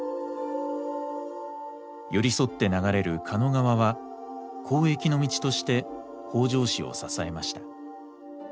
寄り添って流れる狩野川は交易の道として北条氏を支えました。